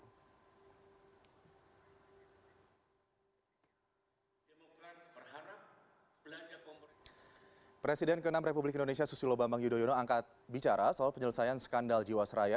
presiden ke enam republik indonesia susilo bambang yudhoyono angkat bicara soal penyelesaian skandal jiwasraya